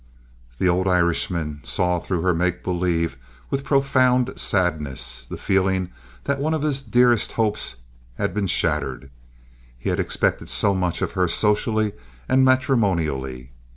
The old Irishman saw through her make believe with profound sadness—the feeling that one of his dearest hopes had been shattered. He had expected so much of her socially and matrimonially.